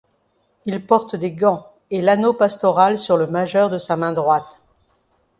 Il porte des gants et l'anneau pastoral sur le majeur de sa main droite.